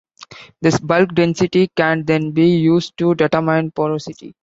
This bulk density can then be used to determine porosity.